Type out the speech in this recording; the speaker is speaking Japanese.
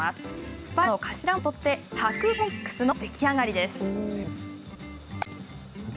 スパイスの頭文字を取ってタクコミックスの出来上がり。